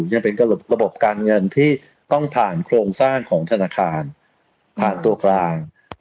ยังเป็นระบบการเงินที่ต้องผ่านโครงสร้างของธนาคารผ่านตัวกลาง